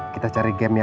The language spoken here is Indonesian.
si buruk rupa